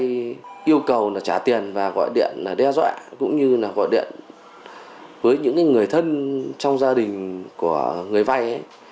các khách vai yêu cầu trả tiền và gọi điện đe dọa cũng như gọi điện với những người thân trong gia đình của người vai